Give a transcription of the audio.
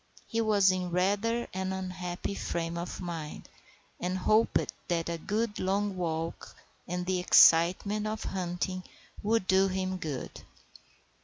He was in rather an unhappy frame of mind, and hoped that a good long walk and the excitement of hunting would do him good.